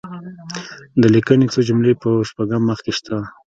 د لیکني څو جملې په شپږم مخ کې شته.